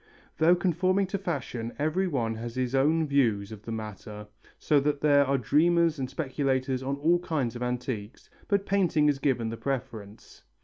Though conforming to fashion, every one has his own views on the matter, so that there are dreamers and speculators on all kinds of antiques, but painting is given the preference.